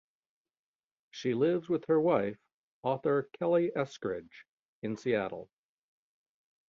She lives with her wife, author Kelley Eskridge, in Seattle.